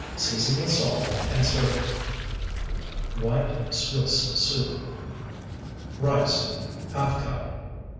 Season with salt, and serve. WHITE SWISS SOUP Rice, ½ cup.